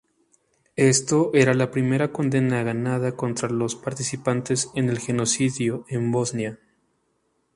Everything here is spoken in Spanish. Esto era la primera condena ganada contra los participantes en el genocidio en Bosnia.